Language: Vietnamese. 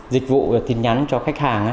dịch vụ tin nhắn cho khách hàng